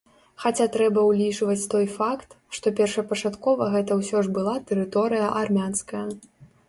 Хаця трэба ўлічваць той факт, што першапачаткова гэта ўсё ж была тэрыторыя армянская.